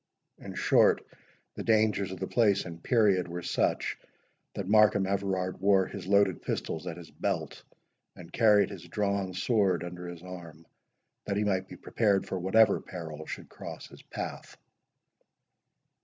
In short, the dangers of the place and period were such, that Markham Everard wore his loaded pistols at his belt, and carried his drawn sword under his arm, that he might be prepared for whatever peril should cross his path.